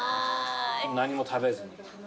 何も食べずに。